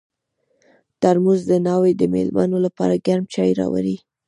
ترموز د ناوې د مېلمنو لپاره ګرم چای راوړي.